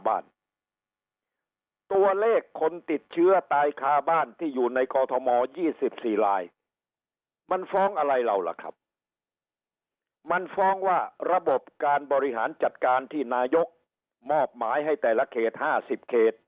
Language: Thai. บ้านตัวเลขคนติดเชื้อตายค่าบ้านที่อยู่ในกธมอยี่สิบ